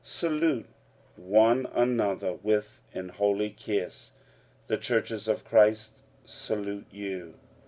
45:016:016 Salute one another with an holy kiss. The churches of Christ salute you.